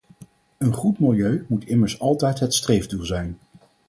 Een goed milieu moet immers altijd het streefdoel zijn.